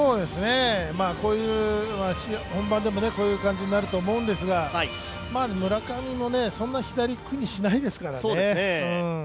こういう本番でもこういう感じになると思うんですが村上もそんな左を苦にしないですからね。